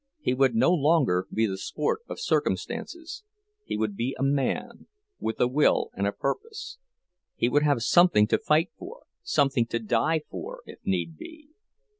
He would no longer be the sport of circumstances, he would be a man, with a will and a purpose; he would have something to fight for, something to die for, if need be!